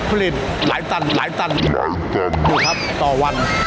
ผลิตหลายตันหลายตันหลายตันดูครับต่อวัน